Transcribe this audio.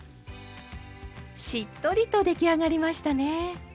しっとりと出来上がりましたね。